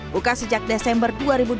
buka sejak desember dua ribu dua puluh